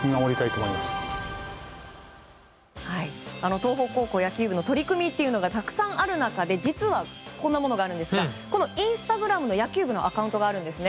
東北高校野球部の取り組みというのがたくさんある中で実はこんなものがあるんですがインスタグラムの野球部のアカウントがあるんですね。